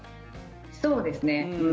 そうですね。